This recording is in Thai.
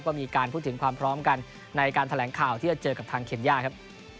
ก็มีการพูดถึงความพร้อมกันในการแถลงข่าวที่จะเจอกับทางเคนย่าครับ